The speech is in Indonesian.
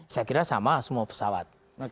saya kira sama semua pesawat